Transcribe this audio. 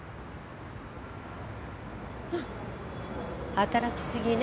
働きすぎね。